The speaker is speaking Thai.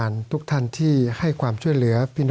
สวัสดีครับทุกคน